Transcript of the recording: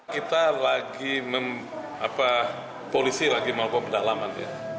kita lagi mem apa polisi lagi melakukan pendalaman ya